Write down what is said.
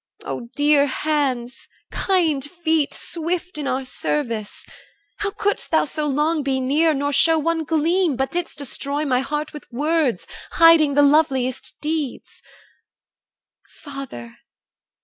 O dear hands, kind feet, Swift in our service, how couldst thou so long Be near, nor show one gleam, but didst destroy My heart with words, hiding the loveliest deeds? Father!